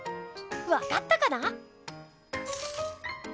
わかったかな？